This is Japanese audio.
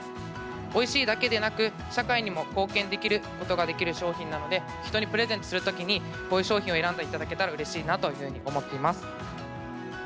おいしいだけでなく社会にも貢献できることができる商品なので人にプレゼントする時にこういう商品を選んでいただけたらうれしいなと思っています。